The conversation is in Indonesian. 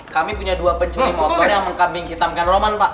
kami punya dua pencuri motor yang mengkambing hitamkan roman pak